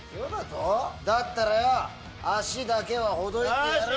だったら足だけはほどいてやるよ！